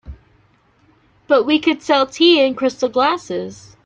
But we could sell tea in crystal glasses.